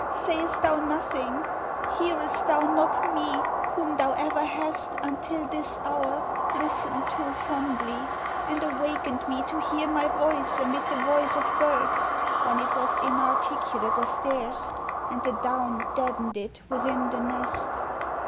sayest thou nothing? Hearest thou not Me, whom thou ever hast, until this hour, Listened to fondly, and awakened me To hear my voice amid the voice of birds, When it was inarticulate as theirs, And the down deadened it within the nest?"